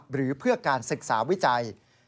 หรือเพื่อการศึกษาวิจัย